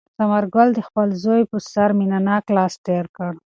ثمر ګل د خپل زوی په سر مینه ناک لاس تېر کړ.